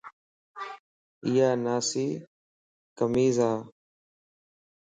اِيا ناسي کميص ا